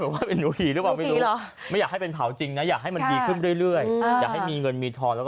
ไม่รู้จะเป็นหนูทองหรือว่าหนูผีนะ